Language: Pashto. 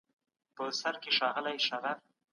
د تبادله خپله فطرت پر عادت بنسټ لري، چي ښه ده.